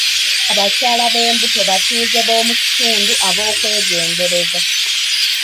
Abakyala b'embuto batuuze b'omukitundu ab'okwegendereza.